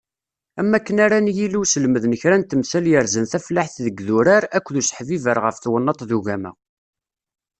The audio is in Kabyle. Am wakken ara n-yili uselmed n kra n temsal yerzan tafellaḥt deg yidurar akked useḥbiber ɣef twennaḍt d ugama.